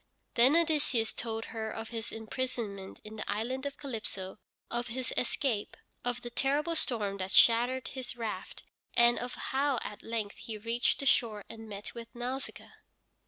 Then Odysseus told her of his imprisonment in the island of Calypso, of his escape, of the terrible storm that shattered his raft, and of how at length he reached the shore and met with Nausicaa.